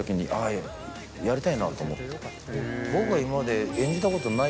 僕が今まで。